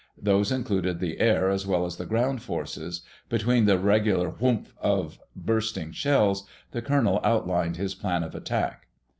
These included the air as well as the ground forces. Between the regular whoomp of bursting shells, the colonel outlined his plan of attack.